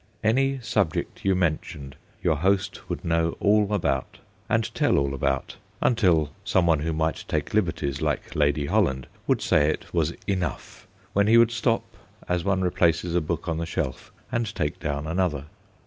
Any subject you mentioned your host would know all about, and tell all about, until some one who might take TABLE TUKNING 89 liberties, like Lady Holland, would say it was enough, when he would stop as one re places a book on the shelf, and take down another.